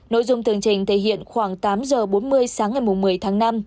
nội dung tương trình thể hiện khoảng tám h bốn mươi sáng ngày một mươi tháng năm